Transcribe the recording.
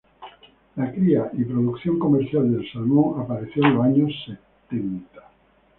La cría y producción comercial del salmón apareció en los años setenta.